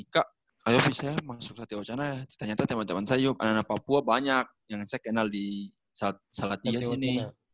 kak kak yopi saya masuk satya wacana ternyata teman teman saya yuk anak anak papua banyak yang saya kenal di salatiga sini